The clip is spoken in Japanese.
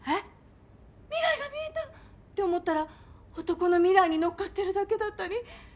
未来が見えたって思ったら男の未来にのっかってるだけだったり。